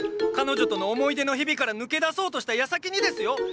彼女との思い出の日々から抜け出そうとした矢先にですよ